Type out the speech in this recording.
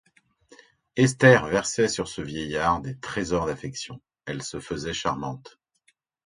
Esther versait sur ce vieillard des trésors d’affection, elle se faisait charmante.